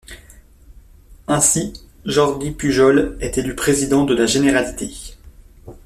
Ainsi Jordi Pujol est élu président de la Généralité.